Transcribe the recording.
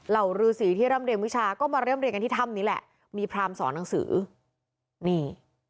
รือสีที่ร่ำเรียนวิชาก็มาเริ่มเรียนกันที่ถ้ำนี้แหละมีพรามสอนหนังสือนี่